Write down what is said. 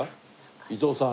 伊藤さん。